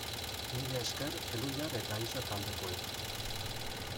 Mila esker Elhuyar eta Ixa taldekoei!